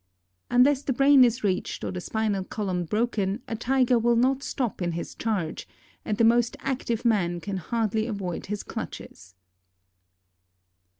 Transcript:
Unless the brain is reached or the spinal column broken a Tiger will not stop in his charge, and the most active man can hardly avoid his clutches.